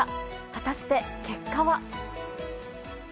果たして、結果は。